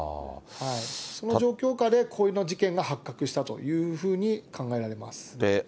その状況下で、この事件が発覚したというふうに考えられます。